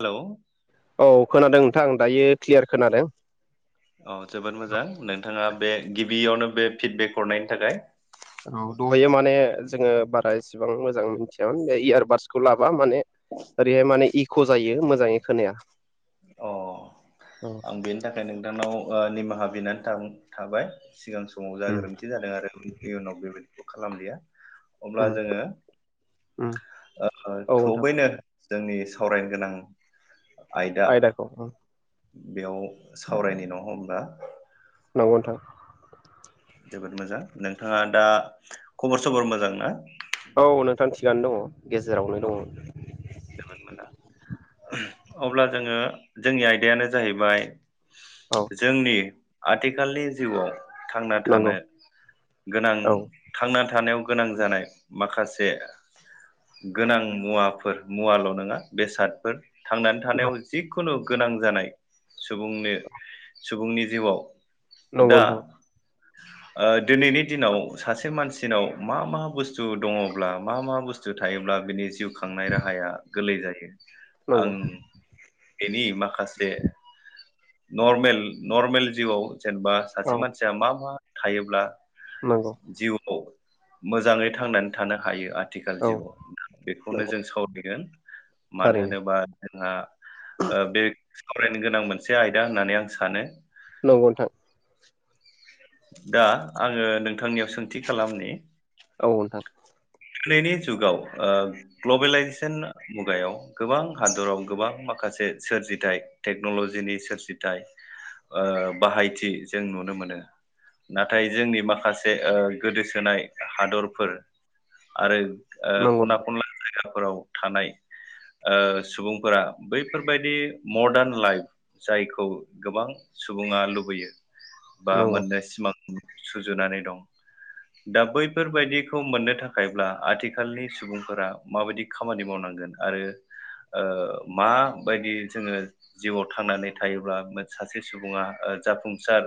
Hello औ खोनादों नोंथां दायो क्लियार खोनादों। अ जोबोद मोजां नोंथाङा बे गिबियावनो बे फिडबेक हरनायनि थाखाय। औ दहायो माने जोङो बारा इसेबां मोजां मिथियामोन बे इयारबार्सखौ ला मा माने ओरैे हाय माने इ ख'जायो मोजाङै खोनाया अ औ आं बेनि थाखाय नोंथांनाव ओ निमाहा बिनानै थां थाबाय। सिगां समाव ज उम गोरोन्थि जादों आरो इ इयुनाव बेबायदि खालामलिया अब्ला उम जोङो उम ओ औ नोंथां थबैनो जोंनि सावरायनो गोनां आयदा [unintelligible] दाखौ उ बेयाव सावरायनि न' हमल्बा नंगौ नोंथां। जोबोद मोजां नोंथाङा दा खबर सबर मोजां ना? औ नोंथां थिगानो दङ गेजेरावनो दङ। दों होनबोला अब्ला जोङो जोंनि आयदायानो जाहैबाय औ जोंनि आथिखालनि जिउआव थांना नंगौ थानो गोनां औ थांना थानायाव गोनां जानाय माखासे गोनां मुवाफोर मुवाल' नङा बेसादफोर थांनानै नंगौ थानायाव जि खुनु गोनां जानाय सुबुंनो सुबुंनि जिउआव नंगौ दा [unintelligible] थां ओ दिनैनि दिनाव सासे मानसिनाव मा मा बुस्थु दङब्ला मा मा बुस्थु थायोब्ला बिनि जिउ खांनाय राह हाया गोरलै जायो। आं नंगौ बेनि माखासे नर्मेल नर्मेल जिउआव जेनेबा औ सासे मानसिया मा मा थायोब्ला नंगौ [unintelligible] मोजाङै थांनानै थानो हायो आ थिखाल औ जिउआव बेखौनो नंगौ जों साव बेगोन। मानो थारैनो होनोबा। जोंहा। ओ बे। सावरायनो गोनां मोनसे आयदा होननानै आं सानो। नंगौ नोंथां। दा आङो नोंथांनियाव सोंथि खालामनि। औ नोंथां। दिनैनि जुगाव ओ ग्लबेलाइजेसन मुगायाव गोबां हादराव गोबां माखासे सोरजिथाय टेक्नलजिनि सोरजिथाइ ओ बाहायथि जों नुनो मोनो नाथाय जोंनि माखासे ओ गोदोसोनाय हादरफोर। आरो। ओ नंगौ खना नोंथां खनला जायगा। फोराव थानाय ओ सुबुंफोरा बैफोरबायदि मडार्न लाइफ जायखौ गोबां सुबुङा लुबैयो। बा नंगौ मोननो सिमां। सुजुनानै दं दा बैफोरबायदिखौ मोननो था खायब्ला आथिखालनि सुबुंफोरा माबायदि खामानि मावनांगोन आरो ओ माबायदि जोङो जिउआव थांनानै थायोब्ला [unintelligible] सासे सुबुङा ओ जाफुंसार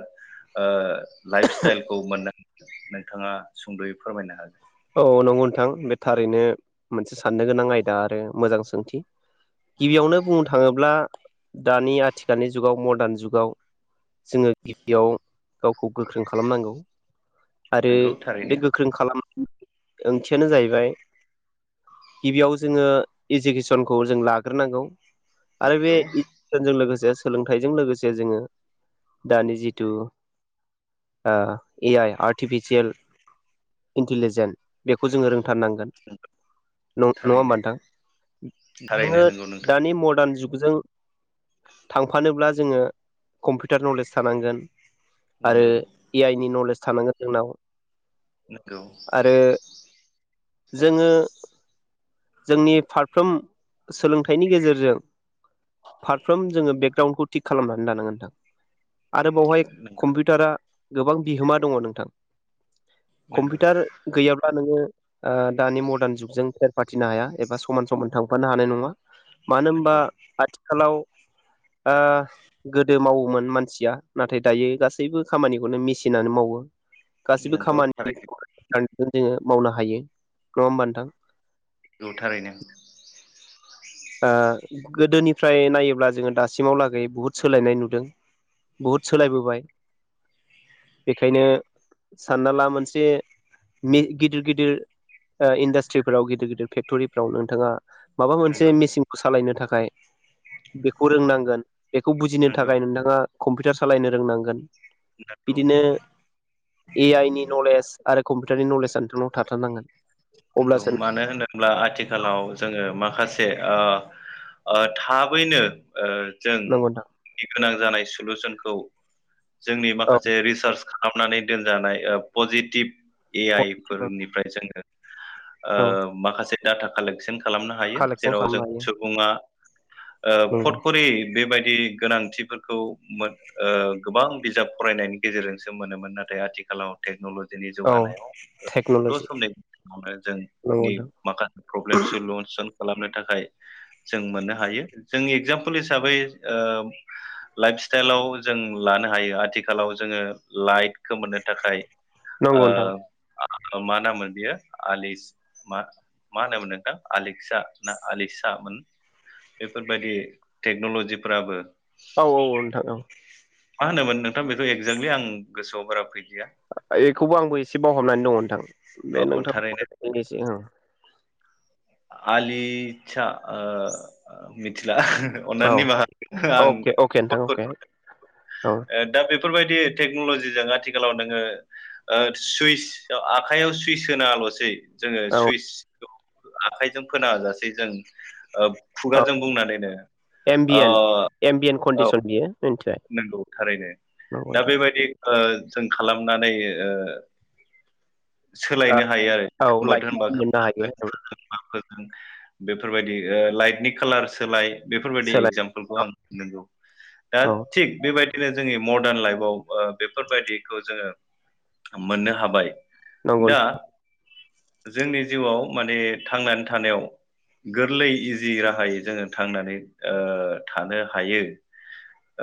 ओ लाइफ स्टाइलखौ मोन नोंथाङा सुंद'यै फोरमायनो हागोन। औ नंगौ नोंथां बे थारैनो मोनसे साननो गोनां आयदा आरो मोजां सोंथि गिबियावनो बुंनो थाङोब्ला दानि आथिखालनि जुगाव मदार्न जुगाव जोङो गिबियाव। गावखौ गोख्रों खालामनांगौ आरो नोंगौ बे थारैनो गोख्रों खालाम ओंथियानो जाहैबाय गिबियाव जोङो इजुकेसनखौ जों लाग्रोनांगौ। आरो बे नोंगौ [unintelligible] जों लोगोसे। सोलोंथाइजों लोगोसे जोङो दानि जिथु ओ ए-आइ आर्टिफिसियेल। इन्टिलिजेन। बेखौ जोङो रोंथारनांगोन नङा थारैनो होमबा नोंथां थारैनो जोङो नोंगौ नोंथां दानि मदार्न जुग। जों थांफानोब्ला जोङो कम्पिउटार नलेज थानांगोन। आरो नोंगौ ए-आइ नि नलेज। थानांगोन जोंनाव। नोंगौ आरो। जोङो। जोंनि फारफ्रोम सोलोंथाइनि गेजेरजों। फारफ्रोम जोङो बेकग्राउन्डखौ। थिग खालामनानै लानांगोन नोंथां। आरो बावहाय नोंगौ कम्पिउटारा। गोबां बिहोमा दङ नोंथां। नंगौ कम्पिउटार गैयाब्ला नोङो ओ दानि मदान जुगजों। फाथिनो हाया एबा समान समान थांफानो हानाय नङा। मानो होमबा नंगौ आथि खालाव ओ गोदो मावोमोन मानसिया नाथाय दायो गासैबो खामानिखौनो मेसिनानो मावो। खासिबो नंगौ खामानि थारैनो खौ हाय खो जोङो मावनो हायो नङा होमबा नोंथां। औ थारैनो। ओ गोदोनिफ्राय नायोब्ला जोङो दासिमाव लागै बुहुद सोलायनाय नुदों। बुहुद सोलायबोबाय बेखायनो सानना ला मोनसे मि गिदिर गिदिर ओ इन्डारस्ट्रिफ्राव गिदिर गिदिर फेक्टरिफ्राव नोंथाङा माबा मोनसे नोंगौ मेसिनखौ सालायनो थाखाय बेखौ रोंनांगोन बेखौ बुजिनो नंगौ थाखाय नोंथाङा कम्पिउटार सालायनो रोंनांगोन। नंगौ बिदिनो ए आइ नि नलेज आरो कम्पिउटारनि नलेजआ नोंथांनाव थाथार नांगोन। औ मानो होनोब्ला आथिखालाव जोङो माख खासे ओ ओ थाबैनो ओ जों नंगौ गि गोनां जानाय सुलुजोनखौ जोंनि नोंथां माखासे रिसार्च खालामनानै दोनजानाय ओ पजिटिभ ए आइ औ फोरनिफ्राय जोङो ओ औ माखास सेक डाटा कालेक्सोन खालामनो हायो कालेकसन जेराव जों खालामनो हायो सुबुङा ओ नंगौ फटकरि बेबायद ए गोनांथिफोरखौ मोन ओ गोबां बिजाब फरायनायनि गेजेरजोंसो मोनोमोन नाथाय आथिखालाव टेक्न'लज जोनि औ जौगानायाव ओ द' टेक्न'लजि समनि आरो जों नंगौ नि नोंथां माखा प्रब्लेम सुलुनस हेलफ खालामनो थाखाय जों मोननो हायो। जोंनि एगजामपोल हिसाबै ओ लाइफ स्टाइलाव जों लानो हायो। आथिखालाव जोङो लाइख खो मोननो थाखाय नंग नोंथां। ओ मा नामोन बियो? आलिस मा मा होनोमोन नोंथां? आलिक्सा ना आलिसा मोन बेफोरबायदि टेक्न'लजिफ्राबो औ औ नोंथां ओं मा होनोमोन नोंथां बेखौ एगजेक्टलि आं गोसोआव बारा फै एखौबो आंबो एसे बावहाबनानै दङ नोंथां। बे औ नोंथां थारैनो [unintelligible] नोसै आलिसा ओ मि अननानै औ निमाहाखौ आं अके अके नोंथां फन अके ओ औ दा बे फोरबायदि टेक्न'लजिजों आथिखालाव नोङो ओ सुइस आखाइयाव सुइस होनाङल'से जोङो औ सुइस आखाइजों फोनाङाजासे जों खुगाजों बुंनानैनो ओ एमबिएन एमबिएन औ कन्डसन बियो। मिथिबाय नंगौ थारैनो नंगौ दा बेबायदि ओ जों खालाम नानै नोंथां सोलायनो हायो आरो औ लाइट खोमोदनो होनबा मोननो हायो औ खोमोननो हागोन [unintelligible] बेफोरबायदि लाइटनि कालार सोलाय बेफोरबायदि सोलाय एगजामपोलखौ आं औ नंगौ दा औ बेबायदिनो जोंनि मडार्न लाइफआव ओ बेफोरबायदिखौ जोङो मोननो हाबाय। नंगौ दा जोंनि जिउआव माने थांनानै थानायाव गोरलै इजि राहायै जोङो थांनानै ओ थानो हायो।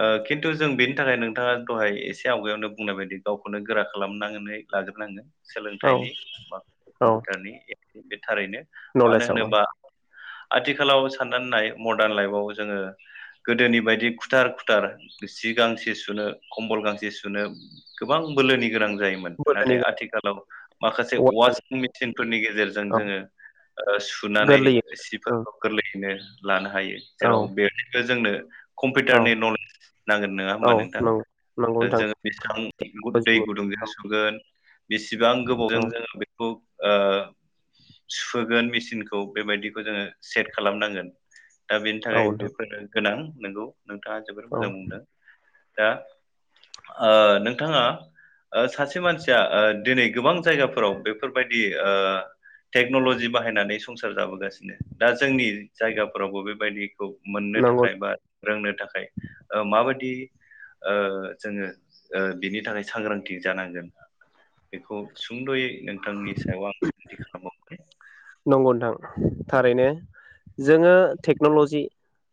ओ खिन्थु जों बेनि थाखाय नोंथाङा दहाय एसे आवगायावनो बुंनाय बायदि गावखौनो गोरा खालामनानै लाग्रोनांगोन। औ सोलोंथाइनि बा औ कम्पिउटारनि [unintelligible] थारैनो मानो नलेजाव होनोबा आथिखालाव साननानै होननाय मडार्न लाइफआव जोङो गोदोनि बायदि खुथार खुथार जि गांसे सुनो कम्बल गांसे सुनो गोबां बोलोनि गोनां जायोमोन बोलोनि नाथाय आथिखालाव माखासे वासिं मेसिन फोरनि गेजेरजों औ जोङो सुनानै गोरलैयै औ सिफोरखौ गोरलैयैनो लानो हायो औ जेराव बे जोंनो [inaudible] औ कमपपिउटारनि नले नांगोन नङा औ होमबा नोंथां नंगौ नंगौ नोंथां जोङो बेसेबां दै गुदुंजों सुगोन [inaudible] बेसेबां गोबावजों औ जोङो बेखौ ओ सुहोगोन मेसिनखौ बेबायदिखौ जोङो सेट खालामनांगोन। दा बेनि औ थाखाय नोंथां बेफोरो गोनां। नोंगौ नोंथाङा ज औ मोजां बुंदों । दा ओ नोंथाङा ओ सासे मानसिया दिनै गोबां जायगाफोराव बेफोरबायदि ओ टेकनलजि बाहायनानै संसार जाबोगासिनो दा जोंनि जायगाफोरावबो बेबायदि खौ मोननो नंगौ थाखाय बा रोंनो थाखाय ओ माबायदि ओ जोङो बिनि थाखाय सांग्रांथि जानांगोन बेखौ सुंद'यै नोंथांनि सायाव [inaudible] नंगौ नोंथां थारैनो जोङो टेक्न'लजि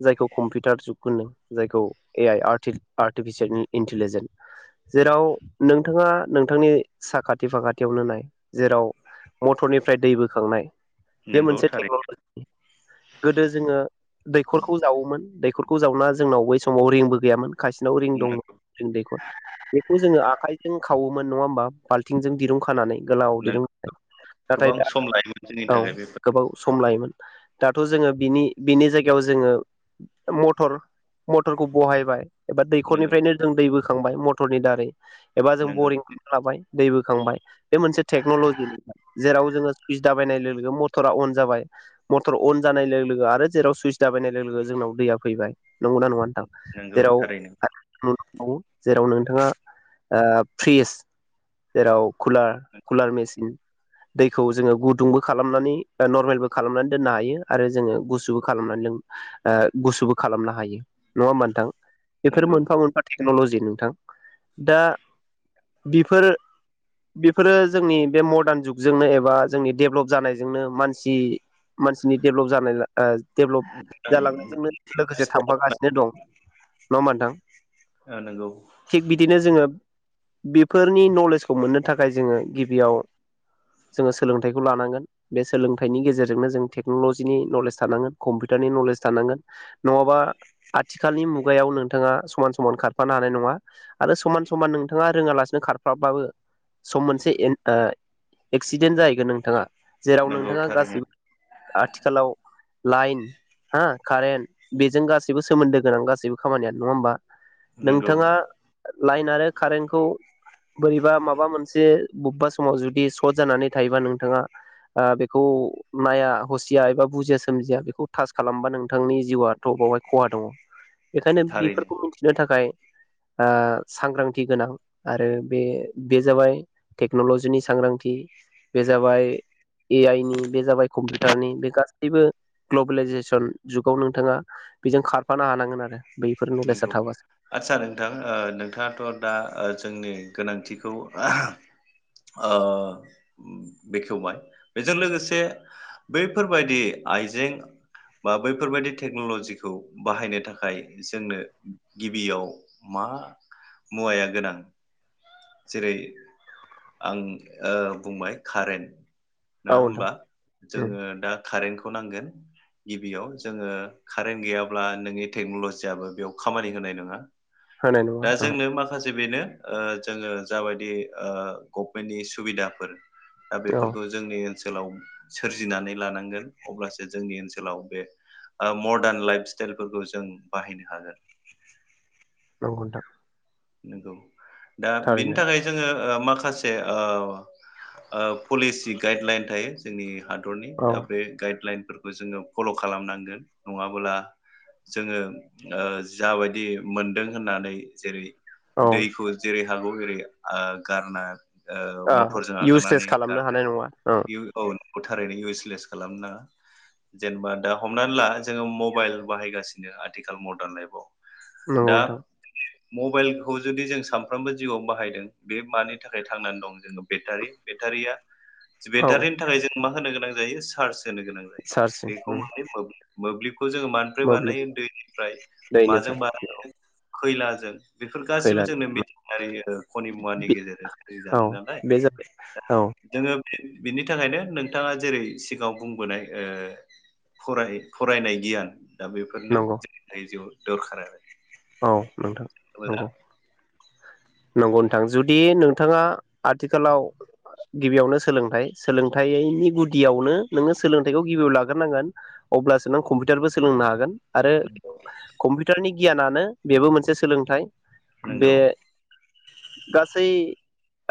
जायखौ कम्पिउटार जुग होनदों जायखौ ए आइ आर्थि आर्टिफिसियेल इन्टिलिजेन्ट जेराव नोंथाङा नोंथांनि साखाथि फाखाथियावनो नाय जेराव मटरनिफ्राय दै बोखांनाय बे नोंगौ मोनसे थारैनो टेक्न'लजि गोदो जोङो दैखरखौ जावोमोन दै खरखौ जावना जोंनाव बै समाव रिंबो गैयामोन। खायसिनाव रिं दंमोन नोंगौ रिं दैखर बेखौ जोङो आखायजों खावो मोन नङा होमबा बाल्थिंजों दिरुं खानानै। गोलाव नों [inaudible] नाथाय गोबां दा सम लायोमोन जोंनि औ थाखाय बेफोर गोबाव सम लायोमोन। दाथ' जोङो बिनि बिनि जायगायाव जोङो मटर मटरखौ बहायबाय। एबा नोंगौ दैखरनिफ्रायनो जों दै बो थांबाय मटरनि दारै एबा जों नोंगौ बरिं खालामना लाबाय। दै बोखांबाय बे मोनसे टेक्न'लजि नोंथां जेराव जोङो सुइस दा दाबायनाय लोगो मटरा अन जाबाय मटर अन जानाय लोगो आरो जेराव सुइस दाबायनाय लोगो जोंनाव दैया फैबाय। नंगौना नङा नोंथां? नंगौ जेराव थारैनो औ जेराव नोंथाङा ओ फ्रिज जेराव खुला खुलार मेचिन दैखौ जोङो गुद दुंबो खालामनानै नरमेलबो खालामनानै दोननो हायो आरो जोङो गुसुबो खालामनानै लों ओ गुसुबो खालामनो हायो नङा होमबा नोंथां? बेफोर नंगौ मोनफा मोनफा टेक टेक्न'लजि नोंथां दा बेफोर बेफोरो जोंनि बे मडार्न जुगजोंनो एबा जोंनि डेभलप जानायजोंनो मानसि मानसिनि डेभलप जानाय ला ओ डेभलप नंगौ जालांनायजोंनो लोगोसे थांफागासिनो दं नङा होनबा नोंथां? [inaudible] ओ नंगौ । थिग बिदिनो जोङो बेफोरनि नलेजखौ मोननो थाखाय जोङो गिबियाव जोङो सोलोंथाइ खौ लानांगोन बे सोलोंथाइनि गेजेरजोंनो जों टेकन'ल'जिनि नलेज थानांगोन कम्पिउटारनि नलेज थानांगोन नङाबा आथिखालनि मुगायाव नोंथाङा समान समान खारफानो हानाय नङा आरो समान समान नोंथाङा रोङालासिनो खारफाबाबो सम मोनसे एक्सिडेन्ट जाहैगोन नों थांङा? जेराव नंगौ नोंथाङा थारैनो गासैबो आथिखालाव लाइन हा। कारेन्ट बेजों गासैबो सोमोन्दो गोनां गासैबो खामानियानो नङा होमबा? नंगौ नोंथाङा लाइन आरो कारेन्टखौ बोरैबा माबा मोनसे बबेबा समाव जुदि सर्ट जानानै थायोबा नों थाङा बेखौ नाया हसिया एबा बुजिया सोमजिया बेखौ थास खालामबा नोंथांनि जिउआथ' बावहाय खहा दङ। बेखायनो थारैनो बेफोरखौ मिथिनो थाखाय ओ सांग्रांथि गोनां आरो बे बे जाबाय टेक्न'लजिनि सांग्रांथि। जाबाय ए आइ नि बे जाबाय कम्पिउटार नि बे गासैबो ग्लबेलइजेसन जुगाव नोंथाङा बेजों खारफानो हानांगोन आरो बैफोर नलेजआ नंगौ थाबासो आदसा नोंथां नोंथाङाथ' दा ओ जोंनि गोनांथिखौ ओ बेखेवबाय बेजों लोगोसे बैफोरबायदि आइजें बा बैफोरबायदि टेक्न'लजिखौ बाहायनो थाखाय जोंनो गिबियाव मा मुवाया गोनां? जेरै आं बुंबाय कारेन्ट औ नङा नोंथां होनबा उम जोङो दा कारेन्ट खौ नांगोन गिबियाव जोङो कारेन्ट गैयाब्ला नोंनि टेक्न'लजियाबबो बेयाव खामानि होनाय नङा। होनाय नङा दा ओहो जोंनो माखासे बेनो ओ जोङो जाबायदि गभमेन्टनि सुबिदाफोर दा औ बेफोरखौ जोंनि ओन सोलाव सोरजिनानै लानांगोन अब्लासो जोंनि ओनसोलाव बे मडार्न लाइफ स्टाइलफोरखौ जों बाहायनो हागोन। नंगौ नोंथां। नोंगौ। दा बिनि थारैनो थाखाय जोङो। ओ माखासे ओ ओ पलिसि गाइडलाइन थायो जोंनि हादरनि औ दा बे गाइडलाइन फोरखौ जोङो फल' खालामनांगोन नङाबोला जोङो ओ जाबायदि मोनदों होननानै जेरै औ दैखौ जेरै हागौ ओरै आ गारनो ओ मथरजों इउसलेस आगारनानै खालामनो गारनाय हानाय नङा औ औ थारैनो इउसलेस खालामनो नाङा जेनेबा दा हमनानै ला जोङो मबाइल बाहायगासिनो आथिखाल मदार्न लाइफआव नंगौ नोंथां। म बाइलखौ जुदि जों सानफ्रोमबो जिउआव बाहायदों बे मानि थाखाय थांनानै दं जोङो बेटारि बेटारिया औ बेटारिनि थाखाय जों मा होनो गोनां जायो चार्ज होनो गोनां जायो चार्जजों बेखौ उम मारै मोब्लिब मोब्लिब खौ जोङो मानिफ्राय मोब्लिब बानायो दैनिफ्राय माजों दैनिफ्राय औ बानायो खैलाजों बेफोर गासैबो खैलानि [unintelligible] खनि मुवानि बे गेजेरजों औ [unintelligible] नालाय बे जाबाय औ जोङो। बिनि थाखायनो नोंथाङा जेरै सिगाङाव बुंबोनाय ओ फराय-फरायनाय गियान दा बेफोरनो नंगौ [unintelligible] दरखार आरो औ नोंथां मोजां नंगौ नंगौ नोंथां जुदि नोंथाङा आथिखालाव गिबियावनो सोलोंथाइ सोलोंथाइनि गुदियावनो नोङो सोलोंथाइखौ गिबियाव लाग्रोनांगोन अब्लासो नों कम्पिउटारबो सोलोंनो हागोन आरो कम्पिउटारनि गियानानो बेबो मोनसे सोलोंथाइ बे नंगौ गासै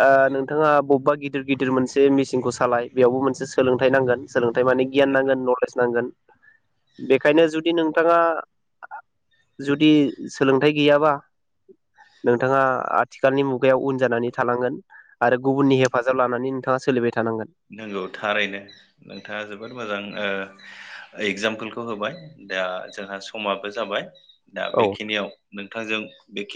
ओ नोंथाङा बबेबा गिदिर गिदिर मोनसे मेचिनखौ सालाय बेयावबो मोनसे सोलोंथाइ नांगोन सोलोंथाइ माने गियान नांगोन नलेज नांगोन बेखायनो जुदि नोंथाङा जुदि सोलोंथाइ गैयाबा नोंथाङा आथिखालनि मुगायाव उन जानानै थानांगोन आरो गुबुननि हेफाजाब लानानै नोंथाङा सोलिबाय थानांगोन नंगौ थारैनो नोंथाङा जोबोद मोजां ओ एगजामपोलखौ होबाय दा जोंहा समाबो जाबाय दा औ बेखिनियाव नोंथांजों बेखि